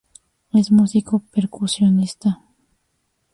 Es músico percusionista.